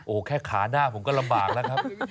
โอ้โหแค่ขาหน้าผมก็ลำบากแล้วครับ